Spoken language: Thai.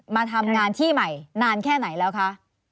มาทำงานที่ใหม่นานแค่ไหนแล้วคะ